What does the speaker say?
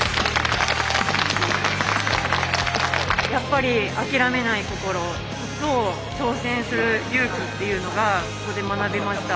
やっぱり諦めない心と挑戦する勇気っていうのがここで学びました。